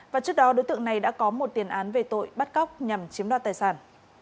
và trước đó đối tượng này đã có một tiền án về tội bắt cóc nhằm chiếm đoạt tài sản